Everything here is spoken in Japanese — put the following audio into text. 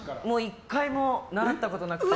１回も習ったことなくて。